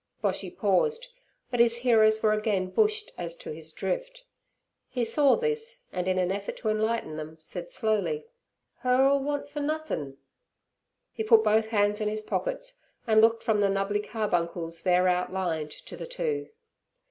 Boshy paused, but his hearers were again bushed as to his drift. He saw this, and in an effort to enlighten them, said slowly: 'Her'll want for nothin'.' He put both hands in his pockets, and looked from the nubbly carbuncles there outlined to the two.